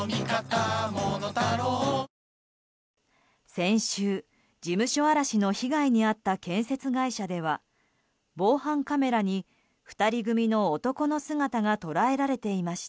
先週、事務所荒らしの被害に遭った建設会社では防犯カメラに２人組の男の姿が捉えられていました。